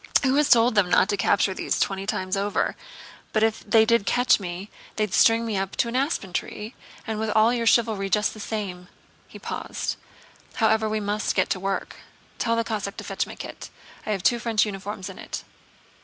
"Who has told them not to capture me these twenty times over? But if they did catch me they'd string me up to an aspen tree, and with all your chivalry just the same." He paused. "However, we must get to work. Tell the Cossack to fetch my kit. I have two French uniforms in it.